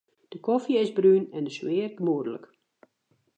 De kofje is brún en de sfear gemoedlik.